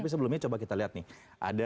tapi sebelumnya coba kita lihat nih